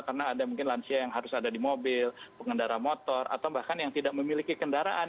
karena ada mungkin lansia yang harus ada di mobil pengendara motor atau bahkan yang tidak memiliki kendaraan